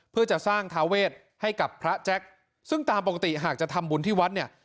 เพื่อจะสร้างทาเวทให้กับพระแจ็คซึ่งตามปกติหากจะทำบุญที่วัดเนี่ย